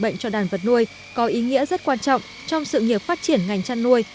bệnh cho đàn vật nuôi có ý nghĩa rất quan trọng trong sự nghiệp phát triển ngành chăn nuôi